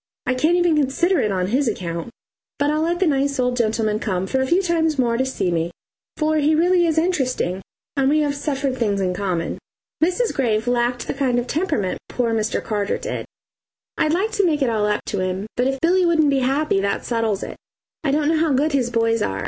I can't even consider it on his account, but I'll let the nice old gentleman come for a few times more to see me, for he really is interesting, and we have suffered things in common. Mrs. Graves lacked the kind of temperament poor Mr. Carter did. I'd like to make it all up to him, but if Billy wouldn't be happy, that settles it, and I don't know how good his boys are.